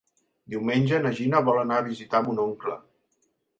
Diumenge na Gina vol anar a visitar mon oncle.